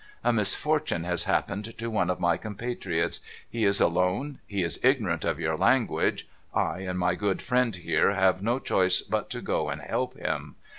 ' A misfortune has happened to one of my compatriots. He is alone, he is ignorant of your language — I and my good friend, here, have no choice but to go and help him.